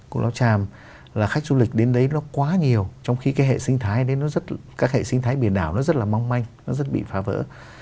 cù lao tràm là khách du lịch đến đấy nó quá nhiều trong khi cái hệ sinh thái đấy nó các hệ sinh thái biển đảo nó rất là mong manh nó rất bị phá vỡ